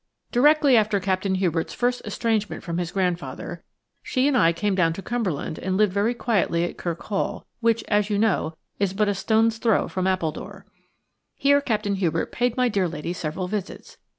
Directly after Captain Hubert's first estrangement from his grandfather she and I came down to Cumberland and lived very quietly at Kirk Hall, which, as you know, is but a stone's throw from Appledore. Here Captain Hubert paid my dear lady several visits.